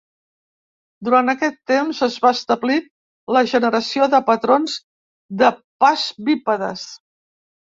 Durant aquest temps, es va establir la generació de patrons de pas bípedes.